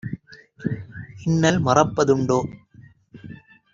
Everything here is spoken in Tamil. இன்னல் மறப்ப துண்டோ?"